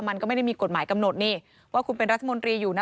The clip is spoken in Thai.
มันก็ไม่ได้มีกฎหมายกำหนดนี่ว่าคุณเป็นรัฐมนตรีอยู่นะ